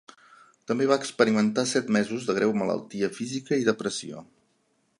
També va experimentar set mesos de greu malaltia física i depressió.